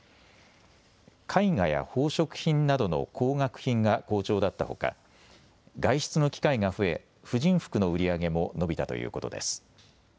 絵画や宝飾品などの高額品が好調だったほか外出の機会が増え婦人服の売り上げも伸びたということです。